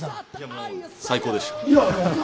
最高でした。